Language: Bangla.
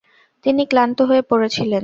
তিনি ক্লান্ত হয়ে পড়েছিলেন।